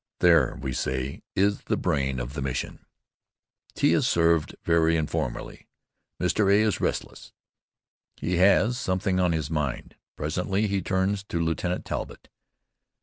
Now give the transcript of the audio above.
"There," we say, "is the brain of the mission." Tea is served very informally. Mr. A. is restless. He has something on his mind. Presently he turns to Lieutenant Talbott.